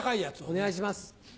お願いします。